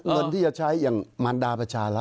เงินที่จะใช้อย่างมารดาประชารัฐ